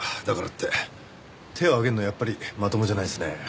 だからって手を上げるのはやっぱりまともじゃないですね。